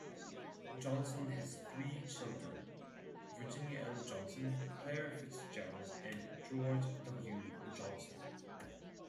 Johnson has three children: Virginia L. Johnson, Claire Fitzgerald, and George W. Johnson.